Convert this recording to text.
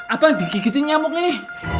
apa digigitin nyamuk nih